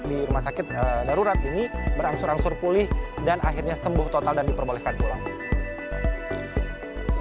di rumah sakit darurat ini berangsur angsur pulih dan akhirnya sembuh total dan diperbolehkan pulang